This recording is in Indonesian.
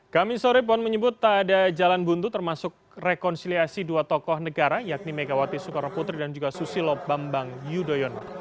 kami sore pon menyebut tak ada jalan buntu termasuk rekonsiliasi dua tokoh negara yakni megawati soekarno putri dan juga susilo bambang yudhoyono